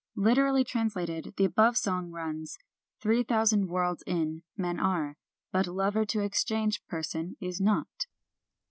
Literally translated, the above song runs :" Three thousand worlds in men are, but lover to exchange person is not."